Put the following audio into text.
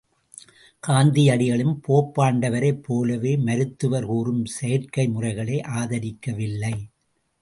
காந்தியடிகளும் போப்பாண்டவரைப் போலவே மருத்துவர் கூறும் செயற்கை முறைகளை ஆதரிக்கவில்லை.